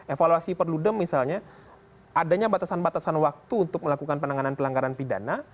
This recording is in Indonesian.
evaluasi perludem misalnya adanya batasan batasan waktu untuk melakukan penanganan pelanggaran pidana